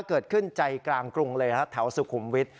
เกิดขึ้นใจกลางกรุงเลยฮะแถวสุขุมวิทร